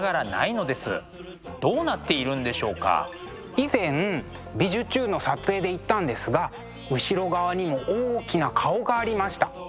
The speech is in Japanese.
以前「びじゅチューン！」の撮影で行ったんですが後ろ側にも大きな顔がありました。